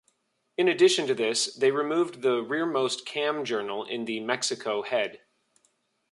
In addition to this, they removed the rearmost cam journal in the Mexico head.